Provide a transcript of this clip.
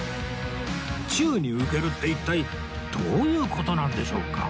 宙に浮けるって一体どういう事なんでしょうか？